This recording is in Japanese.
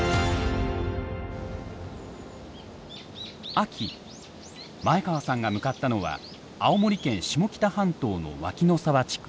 秋前川さんが向かったのは青森県下北半島の脇野沢地区。